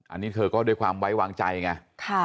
อันนี้เธอก็ด้วยความไว้วางใจไง